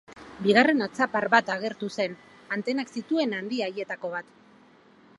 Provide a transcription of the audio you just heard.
Bigarren atzapar bat agertu zen, antenak zituen handi haietako bat.